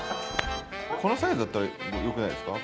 このサイズだったらよくないですか？